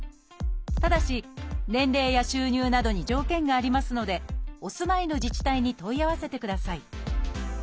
ただし年齢や収入などに条件がありますのでお住まいの自治体に問い合わせてください。